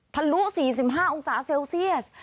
ทะลุ๔๕องศาเซลเซียส